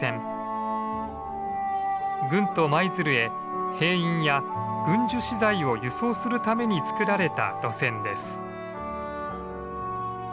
軍都・舞鶴へ兵員や軍需資材を輸送するために造られた路線です。